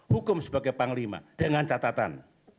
hukum sebagai panglima dengan catatan